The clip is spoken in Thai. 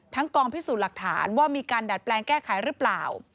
กองพิสูจน์หลักฐานว่ามีการดัดแปลงแก้ไขหรือเปล่า